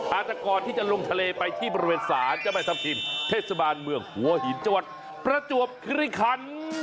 อาจจะก่อนที่จะลงทะเลไปที่บริเวณศาลเจ้าแม่ทัพทิมเทศบาลเมืองหัวหินจังหวัดประจวบคิริคัน